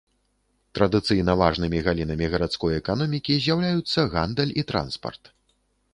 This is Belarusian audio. Традыцыйна важнымі галінамі гарадской эканомікі з'яўляюцца гандаль і транспарт.